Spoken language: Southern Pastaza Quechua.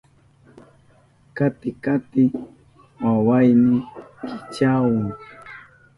Kati kati wawayni kichahun.